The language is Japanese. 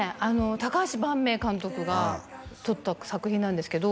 高橋伴明監督が撮った作品なんですけど